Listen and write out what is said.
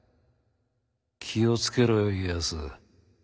気を付けろよ家康。